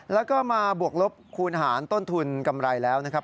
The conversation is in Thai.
แล้วก็มาบวกลบคูณหารต้นทุนกำไรแล้วนะครับ